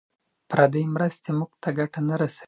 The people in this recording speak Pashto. پردۍ مرستې موږ ته ګټه نه رسوي.